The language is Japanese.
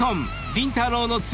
りんたろー。の妻